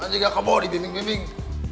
kan juga keboh dibimbing bimbing